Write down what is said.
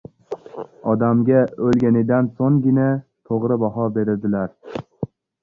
• Odamga o‘lganidan so‘nggina to‘g‘ri baho beradilar.